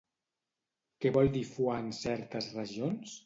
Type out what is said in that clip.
Què vol dir fua en certes regions?